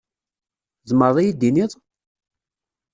Tzemreḍ ad iyi-d-tiniḍ?